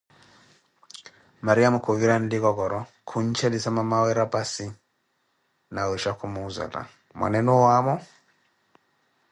Mariamo khuvira nlikokoroh khuntxelissa mamawe rapassi, nawisha kumuhʼzela: mwaneenu owaamo?